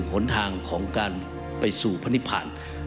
หนทางของการไปสู่พนิพาน